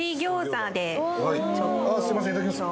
ああすいませんいただきます